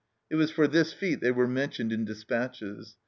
It was for this feat they were mentioned in despatches.